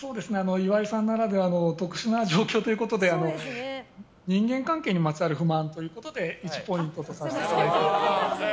岩井さんならではの特殊な状況ということで人間関係にまつわる不満ということで１ポイントとさせていただきました。